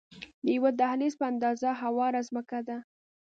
د یوه دهلیز په اندازه هواره ځمکه ده.